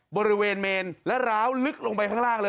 บริเวณเมนและร้าวลึกลงไปข้างล่างเลย